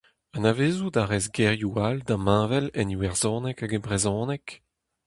Anavezout a rez gerioù all damheñvel en iwerzhoneg hag e brezhoneg ?